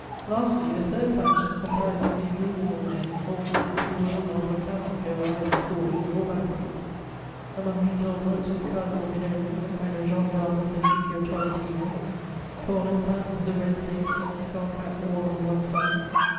Lastly, the third faction comprises the immovable men, old men who will not or cannot go either forwards or backwards: among these old ones is Cardinal Vidoni, a kind of gendarme of the Treaty of Tolentino: tall and fat, with a red face, and a skull cap worn on one side.